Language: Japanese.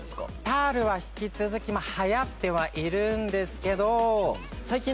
パールは引き続きまあ流行ってはいるんですけど。